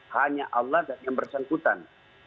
hanya allah dan yang bersangkutan